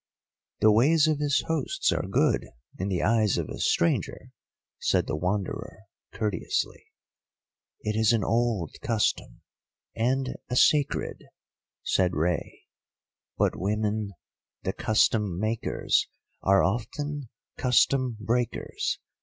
"The ways of his hosts are good in the eyes of a stranger," said the Wanderer, courteously. "It is an old custom, and a sacred," said Rei, "but women, the custom makers, are often custom breakers.